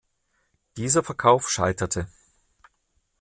Dieser Verkauf scheiterte.